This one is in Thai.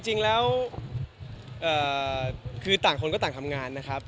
จริงแล้วคือต่างคนก็ต่างทำงานนะครับ